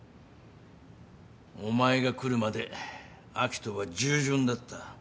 お前が来るまで明人は従順だった。